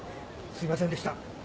すいませんでした。